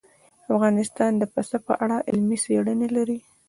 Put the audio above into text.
افغانستان د پسه په اړه علمي څېړنې لري.